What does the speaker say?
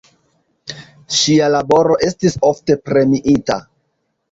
Ŝia laboro estis ofte premiita.